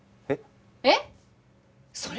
えっ？